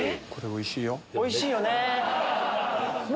おいしいよね！